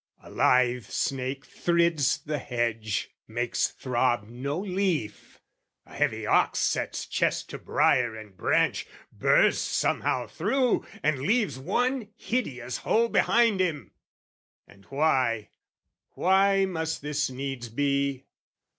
A lithe snake thrids the hedge, makes throb no leaf: A heavy ox sets chest to brier and branch, Bursts somehow through, and leaves one hideous hole Behind him! And why, why must this needs be?